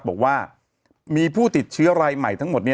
บอกว่ามีผู้ติดเชื้อรายใหม่ทั้งหมด